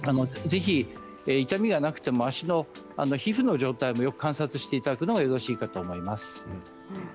痛みがなくても皮膚の状態もよく観察していただくのがよろしいかと思います。